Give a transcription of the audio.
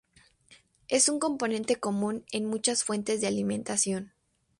Es un componente común en muchas fuentes de alimentación.